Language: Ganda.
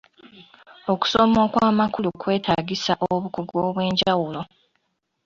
Okusoma okw'amakulu kwetaagisa obukugu obw'enjawulo.